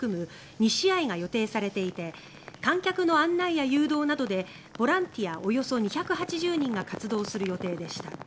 ２試合が予定されていて観客の案内や誘導などでボランティア、およそ２８０人が活動する予定でした。